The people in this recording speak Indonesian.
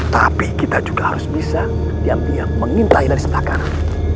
tapi kita juga harus bisa diam diam mengintai dari sebelah kanan